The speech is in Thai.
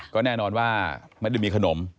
ก็แน่นอนว่าไม่ได้มีขนม